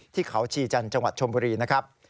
ที่เขาชีจันทร์จังหวัดชมบุรีนะครับ